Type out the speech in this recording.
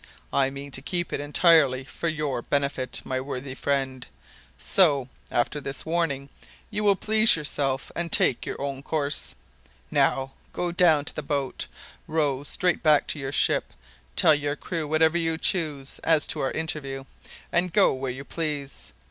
I mean to keep it entirely for your benefit, my worthy friend so, after this warning, you will please yourself, and take your own course. Now, go down to the boat; row straight back to your ship, tell your crew whatever you choose as to our interview, and go where you please.